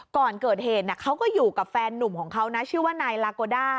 ก่อนเกิดเหตุเขาก็อยู่กับแฟนนุ่มของเขานะชื่อว่านายลาโกด้า